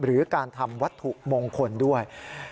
หรือการทำวัตถุมงคลด้วย